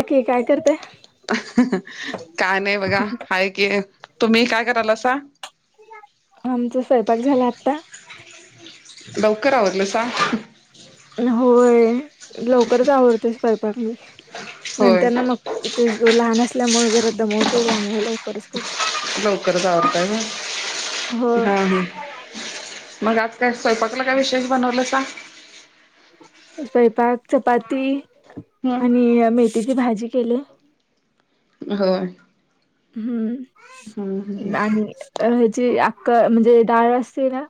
Okay काय करते? काय नाही बघा हाय की. तुम्ही काय करालासा. आमचा स्वयंपाक झाला आत्ता. लवकर आवरला सा. होय लवकरच आवरतोय स्वयंपाक मी. होय नंतर न मग तेच की लहान असल्यामुळे जरा दमवतोय त्यामुळे लव - - लवकरच आवरताय होय? हो हा हा. मग आज काय? स्वयंपाकला काय विशेष बनवलंसा? स्वयपाक चपाती हं. आणि मेथीची भाजी केल्या. होय. हम्म आणि अ ह्याची अक्क म्हणजे डाळ असते ना?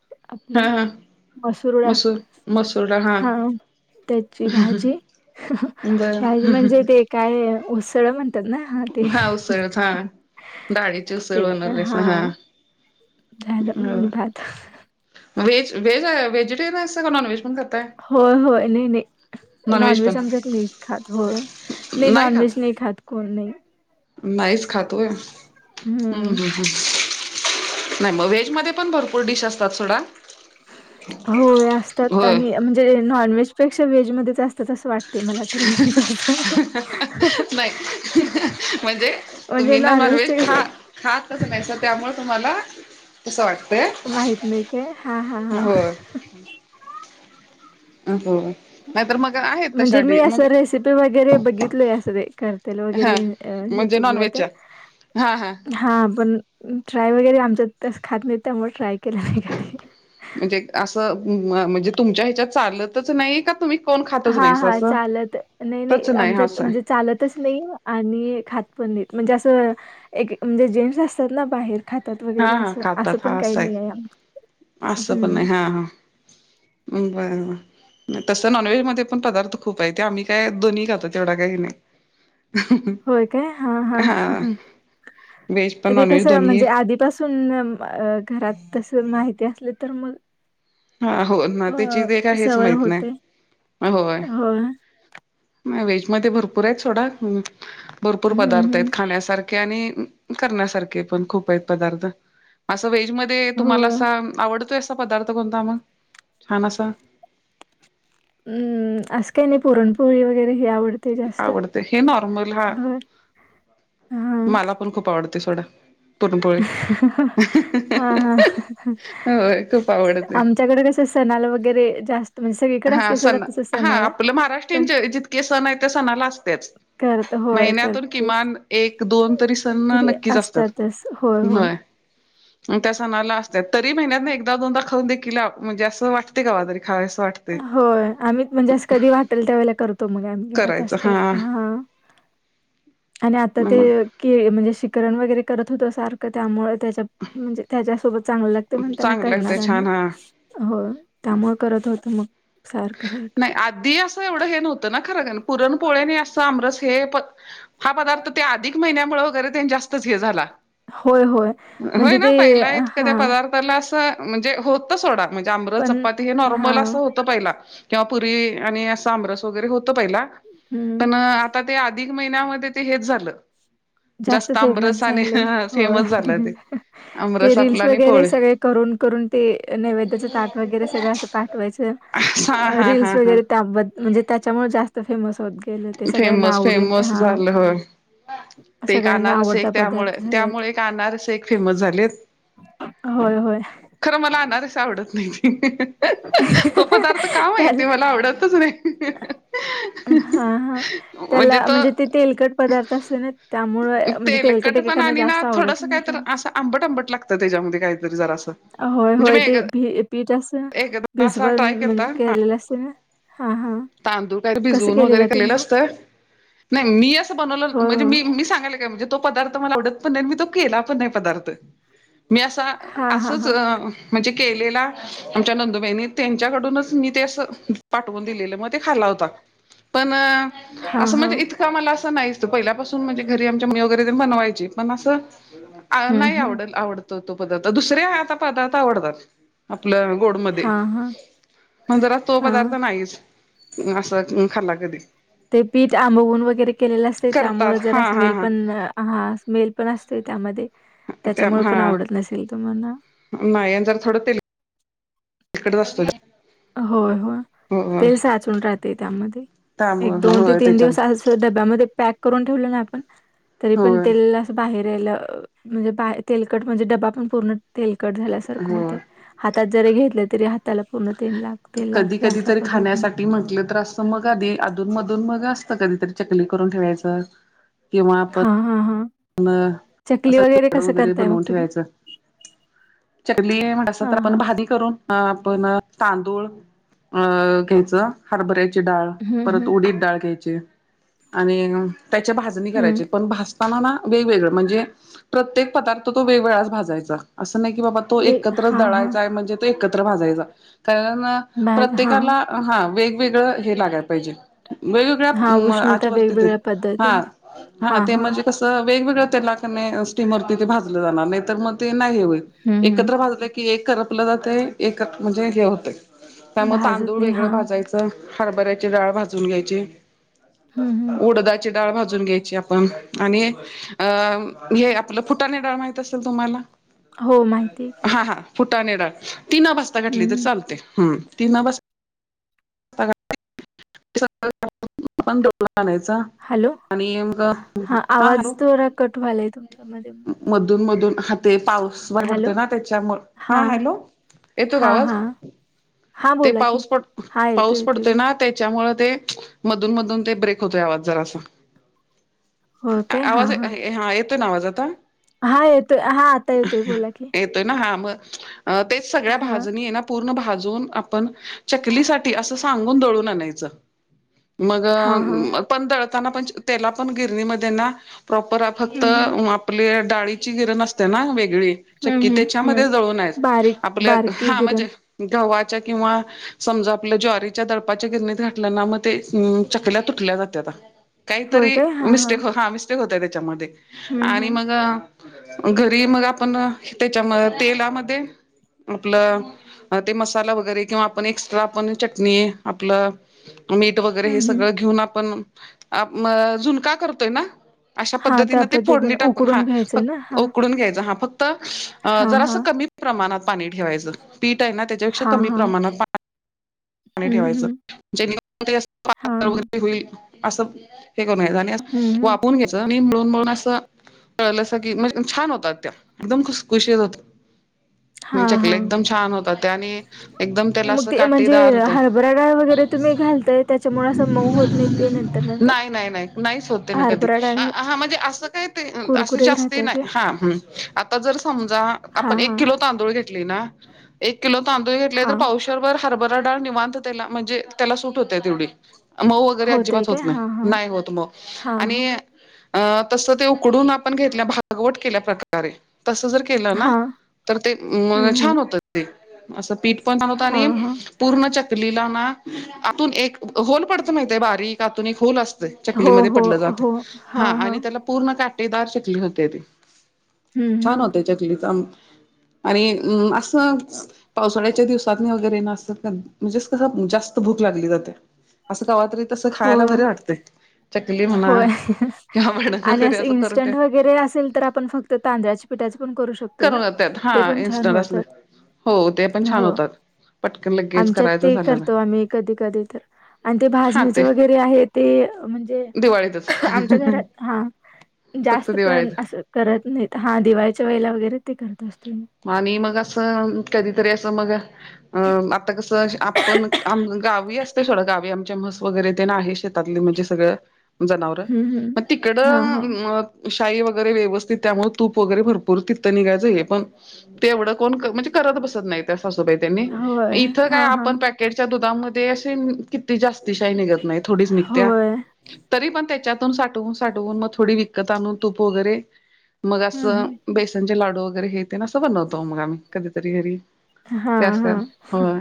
हा आपली हा मसूर -मसूर डाळ हा. त्याची भाजी. बर भाजी म्हणजे ते काय उसळ म्हणतात ना? हा ते. हा डाळीचे उसळ बनवलायसा हा. झालं आणि भात. वेज -वेज वेजिटेरयन असत का नाॅनव्हेज? होय -होय नय नाही. नॉनव्हेज आमच्यात नाहीत खात. होय नाही नॉनव्हेज नाही खात कोण नाही. नाईच खात होय हम्म. नाही मग व्हेज मध्ये पण भरपूर डिश असतात सोडा. होय असतात. होय आणि म्हणजे नॉन व्हेजपेक्षा व्हेजमध्ये च अस [unintelligible] नाही -म्हणजे म्हणजे तुम्ही ना नॉनव्हेज नॉनव्हेजचे कसे खा खातच नाहीसा त्यामुळ तुम्हाला तस वाटतय माहित नाही काय हा हा हा. होय. अ होय. नाहीतर मग आहेत तशा म्हणजे मी डी असं म्हणजे रेसिपी वगैरे बघितलय असं करतेल हा वगैरे म्हणजे युट्यूबला नॉनव्हेज तेन. च्या. हा हा. हा पण ट्राय वगैरे आमच्यात तसं खात नाहीत त्यामुळ ट्राय केलं नाही कधी. म्हणजे असं म म्हणजे तुमच्या ह्याच्यात चालतच नाही का तुम्ही कोण खातच हा - नाहीस हा असं चालत नाही -नाही तच आमच्या हिथ असं आहे म्हणजे चालतच नाही. आणि खात पण नाहीेत. म्हणजे असं एक म्हणजे जेंट्स असतात ना बाहेर खातात हा वगैरे हा असं खातात असं पण हा काही नाही आहे आम असं पण नाही हम्म. हा हा बरं ब तसं नॉनव्हेजमध्ये पण पदार्थ खूप आहे. ते आम्ही काय दोन्ही खातो तेवढा काय हे नाही. होय काय? हा. हा. व्हेज पण ते नॉनव्हेज कसए दोन्ही म्हणजे आधी- -पासून घरात तस माहिती असल तर मग- हां. होय. ना अ, त्याची [unintelligible] हेच सवय माहित नाही. होते. होय. नाही व्हेज मध्ये भरपूर आहेत सोडा. भरपूर हं, पदार्थ आहेत हं. खाण्यासारखे. -खे आणि करण्यासारखे पण खूप आहेत पदार्थ. अस व्हेज मध्ये- मध्ये तुम्हाला होय. असा आवडतोय असा पदार्थ कोणता म? छान असा. अं. असं काही नाही पुरणपोळी वगैरे हे आवडतय. आवडत. हे नॉर्मल हा हां. मला पण खूप आवडत सोडा. पुरणपोळी. हां, हां. होय खूप आवडते. आमच्याकडे सणाला वगैरे जास्त- म्हणजे सगळीकडे हां. असते सोडा सण तसं हा सणाला आपलं महाराष्ट्रीयन पण जितके सण आहेत त्या सणाला असतेच. करत होय महिन्यातून करतेच किमान एक दोन तरी सण तरी नक्कीच असतात. असतातच होय होय व्हय. ह म त्या सणाला असत्यात. तरी महिन्यात एकदा दोनदा खाऊन देखील म्हणजे असं वाटतय कवा तरी खावसं वाटतय. होय. आम्ही म्हणजे असं कधी वाटेल त्या वेळेला करतो मग आम्ही घरात करायचं अस काही, हा हां. [inaudible] आणि आता मग ते- केळी म्हणजे शिकरण वगैरे करत होत्या सारखं त्यामुळे त्याच्या म्हणजे त्याच्यासोबत- चांगलं लागतय म्हणताना चांगलं करणार लागतंय छान [unintelligible] हा. होय. त्यामुळे करत होतो. मग सारखं सारखं. नाही. आद्धी असं एवढं हे नव्हतं ना खरं का? पुरणपोळी नी असं आमरस हे प- हा पदार्थ ते अधिक महिन्यामुळे वगैरे तेन जास्तच हे झाला. होय होय होय म्हणजे ना? ते पहिला इतका हा त्यो पदार्थ- अस म्हणजे होत सोडा. म्हणजे आमरस पण चपाती हे हा नॉर्मल असं होतं पहिला. किंवा पुरी आणि अस आमरस वगैरे होत पहिला. हम्म पण आ - -ता ते अधिक महिन्यामध्ये ते हेच झालं. जास्त फेमस आमरसाने झाले. हो. फेमस झालं ते ते आमरस आपला रील्स आणि वगैरे पोळी सगळे- करून करून ते नैवेद्याच ताट वगैरे सगळं असं पाठवायच - हा अ हा रील्स हा हा वगैरे त्याबद् म्हणजे त्याच्यामुळे जास्त फेमस होत गेल. फेमस फेमस झालं होय. ते एक सगळ्यांना आनारस आवडता एक त्यामुळे, पदार्थ झालाय तो. त्यामुळे एक अनारसे एक फेमस झालेत. होय. होय. खरं मला आनारसे आवडत नाहीत. तो पदार्थ का त्याला माहिती मला आवडतच नाही. हां. हा. म्हणजे त्याला त, ते तेलकट पदार्थ असते ना त्यामुळे म्हणजे तेलकट तेलकटपणा एकेकांना आणि ना जास्त आवडत थोडस नाही काय तर- त्यामुळे अस आंबट आंबट लागतं त्याच्यामध्ये काहीतरी जरासं. होय होय. ते भी पीठ अस ना, एकदा असा भिजवन ट्राय म्हणजे केलता केलेलें असतय ना? हा हा. तांदूळ काय कसं भिजवून वगैरे केलेला तुम्ही केलेलं मग? अस - -त. नाही मी असं बनवलं हो, म्हणजे हो. मी मी सांगायले काय म्हणजे- तो पदार्थ मला आवडत पण नाही. आणि मी तो केला पण नाही पदार्थ. मी असा हां, हां, हां. असंच- म्हणजे केलेला. आमच्या नंदुबाईनी. त्यांच्याकडूनच मी ते असं पाठवून दिलेलं मग ते खाला होता. पण हां, असं हां. म्हणजे इतकं- मला असं नाहीच. पहिल्यापासून म्हणजे घरी आमच्या मम्मी वगैरे बनवायची. पण असं- हं, नाही हं. आवड आवडतो तो पदार्थ दुसरे आता पदार्थ आवडतात. आपल्या गोडमध्ये हां, हां, मगं जरा तो पदार्थ हां. नाहीच असं खाल्ला कधी. ते पीठ आंबवून वगैरे केलेलं असते करतात त्यामुळे जरा हा हा स्मेल हा पण स्मेल पण असते त्यामध्ये. त्या त्याच्यामुळे हा पण आवडत नसेल तुम्हाला. नाही जर थोडं ते खटच असतो. होय होय हो तेल साचून राहते त्यामध्ये. एक त्यामुळ दोन ते होय तीन त्याच्या दिवस अस डब्यामध्ये पॅक करून ठेवलं ना आपण तरी पण होय तेल बाहेर म्हणजे बा तेलकट म्हणजे डबा पण पूर्ण तेलकट झाल्यासारखं होते. होय हातात जरी घेतले तरी हाताला पूर्ण तेल लाग तेल कधी लागते कधी अशा तरी पद्धतीने. खाण्यासाठी म्हंटलं तर अस मग आधी अधून मधून मगं असत कधीतरी चकली करून ठेवायच किंवा आपण हां हां हां. चकली असं लाडू कसं वगैरे करताय मग बनवून तुम्ही? ठेवायचं. चकली म्हणलासा तर हां, आपण हां. भाज करून आपण तांदूळ अ घ्यायच. हरभऱ्याची डाळ, हं, परत हं, उडीत डाळ घ्यायची आणि त्याची भाजणी हं. करायची. पण भजताना ना वेगवेगळ म्हणजे प्रत्येक पदार्थ तो वेगवेगळाच भाजायचा असं नाही की बाबा तो वे एकत्रच हां, हां. दळायचाय म्हणजे त एकत्र भाजायचा कारण भाज हां, प्रत्येकाला हा वेगवेगळं हे लागायला पाहिजे. हां. वेगवेगळ्या उष्णता आच्यावरती ते वेगवेगळ्या हा पद्धतीने. हा हां, ते हां. म्हणजे कस वेगवेगळ्या तेला स्टीमर तिथे भाजलं जाणार नाही तर मग ते नाही होईल हं, हं. एकत्र भाज की एक करपलं जाते एक म्हणजे हे होते त्यामुळे तांदूळ भाजतनी वेगळं हां. भाजायचं हरबऱ्याची डाळ भाजून घ्यायची हं, हं. उड डाळ भाजून घ्यायची आपण आणि अ हे आपलं फुटाने डाळ माहत असेल तुम्हाला हो, माहिती आहे की. हा हा. फुटाने डाळ ती न भाजली हं, तर हं. चालते तीना भाजता पण डोला आणायचा. हॅलो? [inaudible] आणि मग हां, हा आवाज हॅलो थोडा कट व्हालाय तुमच्या म मधून मधून हा ते पाऊस बर पडत हॅलो? ना त्याच्यामुळे हा. हां, हॅलो येतो हां, आवाज? हां. हां, ते बोला की. पाऊस पड हां, येतोय, पाऊस येतोय पडत बोला. ना त्याच्यामु ते मधून मधून ते ब्रेक होतोय आवाज जरा अस. हो काय? आवाज हा येतोय ना आवाज आता. हा येतोय हा आता येतोय बोला कीब. येतोय हा मग तेच सगळ्या हां, भाजणी. पूर्ण भाजून आपण चकली सा अस सांगून दळून आणायचं. मग हां, हां. पण दळताना पण तेला पण गिरणीमध्ये ना प्रॉपर फक्त हं, हं. आपली डाळीची गिरण असते ना वेगळी. हं, चक्की हं, त्याच्यामध्ये हं. जळून आहे बारीक आपल्या बारकी हा गिरण म्हणजे. गव्हाच्या किंवा समजा आपल्या ज्वारीच्या दडपाच्या गिरणीत घाल्या ना मग ते चकल्या तुटल्या जात. होय काहीतरी काय? हां, हां. मिस्टेक हा मिस्टेक होत त्याच्यामध्ये हं, आणि हं. मग. घरी मग आपण त्याच्या म तेलामध्ये आपलं ते मसाला वगैरे किंवा आपण एक्स्ट्रा आपण चटणी आपलं मीठ वगैरे हं, हे हं. सगळं घेऊन आपण आ मं झूनका करतोय ना? अशा हां, त्या पद्धतीनं ते फोडणी पद्धतीने टाकून हा उकडून घ्यायचं ना? फक हां. उकडून घ्यायच हा फक्. त अ हां, जरासं हां. कमी प्रमाणात पाणी ठेवायचं पीठ आहे ना त्याच्यापेक्षा हां, कमी हां. प्रमाणात पा णी हं, ठेवायचं हं. जेणे हां, हां. करून हं, [unintelligible] हं. वाफुन घ्यायच आणि मळून मळून असं तळलं अस की मजे छान होतात त्या एकदम खुसखुशीत होता. हां, चकल्या हां. एकदम छान होत त्या आणि एकदम त्याला मग अस ते म्हणजे काटेदार तं हरभरा डाळ वगैरे तुम्ही घालताय त्याच्यामुळे असं मऊ होत नाही ते नंतर, नंतर? नाही, नाही, नाही. नाहीच होते ना कधी हरभरा आ डाळ हा म्हणजे असं काही ते उं असं कुरकुरीत जास्ती राहतात का? नाही हा ऊं. आता जर समजा आपण हां, एक हां. किलो तांदूळ घेतली ना एक किलो तांदूळ घेतले तर हां. पावशेर भर हरभरा दाळ निवांत त्याला म्हणजे त्याला सूट होत तेवढी. मऊ वगैरे होतंय अजिबात होत काय? नाही, हां, हां. नाही होत मऊ हां, हां. आणि अ तस ते उकडून आपण घेतल्या, भागवट केल्यापकारे. तस जर केलं ना, हां. तर ते मं हं, हं. छान होत ते. असं पीठ पण बनवता आणि हां, हां. पूर्ण चकलीला ना आतून एक होल पडत माहित आहे बारीक आतून एक होल अस तय हो, चकलीमध्ये हो, पडलं जात हो. हा हां, हां. आणि त्याला पूर्ण काटेदार चकली होते ती हं, छान हं. हो ते चकलीचा मं आणि म असं पावसाळ्याच्या दिवसात नी वगैरे ना असं. म्हणजे कसं जास्त भूक लागली जाते. असं कवा तरी तसं हो, खायला भारी वाटते. चकली म्हणा होय किंवा भडंग आणि वगैरे असं करून ते इन्स्टंट वगैरे असेल तर आपण फ त तांदळाच्या पिठाच पण करू शकतोय ना करून जातात ते हा पण छान इन्स्टंट असले होतात. हो ते पण छान हो होतात. पटकन लगेच आमच्यात करायचं ते झालं ना करतो आम्ही कधी कधी तर. आणि ते हा भाजणीचे ते वगैरे आहे ते म्हणजे. दिवाळीतच आमच्या घरात हा फक्त जास्त पण दिवाळीत अस करत नाहीतं हा दिवाळीच्या वेळेलां वगैरे ते करत असते म. म आणि मग असं कधीतरी असं, मग अ आता कसं आपण आम गा. गावी असते सोडा गावी, आमच्या म्हस वगैरे तेन आहे शेतातले म्हणजे सगळं. जनावर हम्म हम्म म हा तिकडं म अ! शाई वगैरे व्यवस्थित, त्यामुळे तूप वगैरे भरपूर ती तं निघायचं हे पण ते एवढं कोण कर म्हणजे करत बसत नाहीत. त्यां सासूबाई त्यांनी, हा होय इथ काय हा हा आपण पॅ केटच्या दुधामध्ये, अशी किती जास्त शाही निघत नाही थोडीच निघत्या. होय. तरी पण त्याच्यातून साठवून, साठवून मग थोडी विकत आणून तूप वगैरे मग हम्म असं हम्म बेसनचे लाडू वगैरे, हेे तेन असं बनवतो मग आम्ही कधीतरी घरी. हा त्यास हा त्यास होय!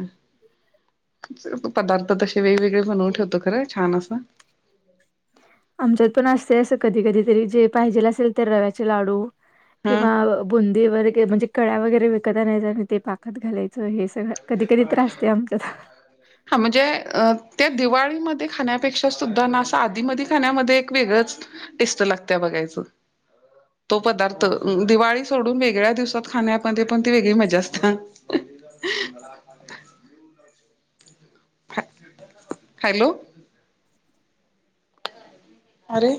पदार्थ तसे वेगवेगळे बनवून ठेवतो, खरं छान असं. आमच्यात पण असते अस कधी कधी तरी, जे पाहिजेल असेल त रव्याचे लाडू हा किंवा बुंदी वगैेरे काही म्हणजे कळ्या वगैरे विकत आणायच्या, आणि ते पाकात घालायचं हे सगळं. कधी तेच कधी माला विचारायच त्रास [unintelligible] ते आमच्या काय झालय. हा म्हणजे ते दिवाळीमध्ये खाण्यापेक्षा, सुद्धा ना असं आधीमदी खाण्यामध्ये एक वेगळंच टेस्ट लागत्या बघायचं. तो पदार्थ दिवाळी सोडून वेगळ्या दिवसात खाण्यामध्ये पण ती वेगळी मजा असतात. [inaudible] ह हॅलो. अरे!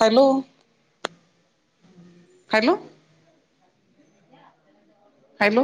हॅलो. हॅलो. हॅलो.